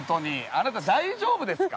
あなた大丈夫ですか？